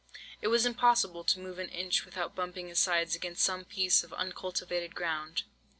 It was impossible to move an inch without bumping his sides against some piece of uncultivated ground.